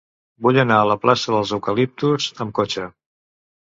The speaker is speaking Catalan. Vull anar a la plaça dels Eucaliptus amb cotxe.